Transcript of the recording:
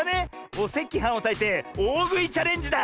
おせきはんをたいておおぐいチャレンジだ！